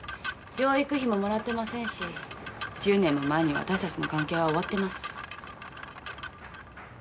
養育費ももらってませんし１０年も前に私たちの関係は終わってます。